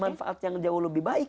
manfaat yang jauh lebih baik